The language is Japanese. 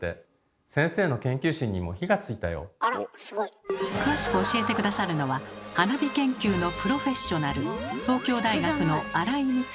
あらすごい！詳しく教えて下さるのは花火研究のプロフェッショナル